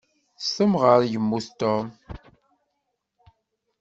S temɣer i yemmut Tom.